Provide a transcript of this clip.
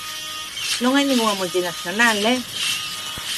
Non hai ningunha multinacional ¡eh!